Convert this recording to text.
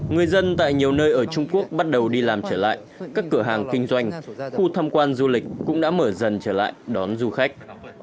người dân tại nhiều nơi ở trung quốc bắt đầu đi làm trở lại các cửa hàng kinh doanh khu tham quan du lịch cũng đã mở dần trở lại đón du khách